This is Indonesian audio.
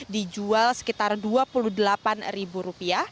dijual sekitar rp dua puluh delapan